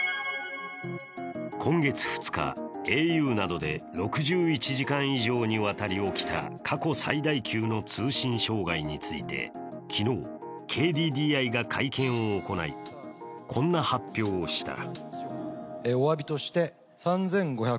今月２日、ａｕなどで６１時間以上にわたり起きた過去最大級の通信障害について昨日、ＫＤＤＩが会見を行い、こんな発表をした。